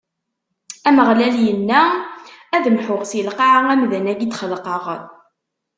Ameɣlal inna: Ad mḥuɣ si lqaɛa amdan-agi i d-xelqeɣ.